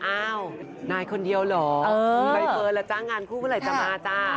อ้าวนายคนเดียวเหรอไปเฟ้อแล้วจ้ะงานคู่เวลาจะมาจ้ะ